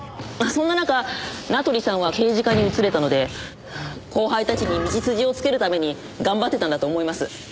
そんな中名取さんは刑事課に移れたので後輩たちに道筋をつけるために頑張ってたんだと思います。